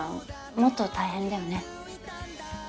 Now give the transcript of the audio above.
もっと大変だよね？